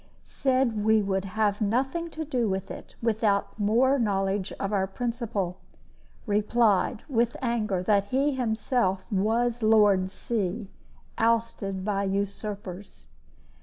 Said we would have nothing to do with it without more knowledge of our principal. Replied, with anger, that he himself was Lord C., ousted by usurpers.